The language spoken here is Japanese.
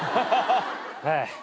はい。